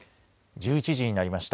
１１時になりました。